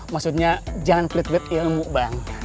maksudnya jangan klit pelit ilmu bang